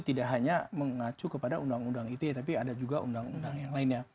tidak hanya mengacu kepada undang undang ite tapi ada juga undang undang yang lainnya